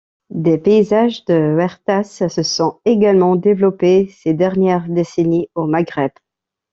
Des paysages de huertas se sont également développés ces dernières décennies au Maghreb.